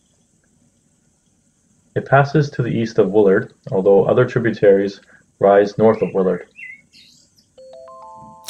It passes to the east of Willard, although other tributaries rise north of Willard.